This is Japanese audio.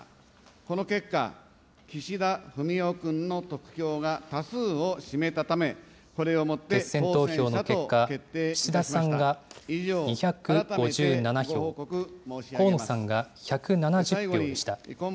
この結果、岸田文雄君の得票が多数を占めたため、これをもっ決選投票の結果、岸田さんが２５７票、河野さんが１７０票でした。